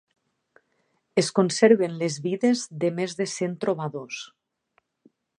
Es conserven les vides de més de cent trobadors.